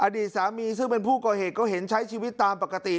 อดีตสามีซึ่งเป็นผู้ก่อเหตุก็เห็นใช้ชีวิตตามปกติ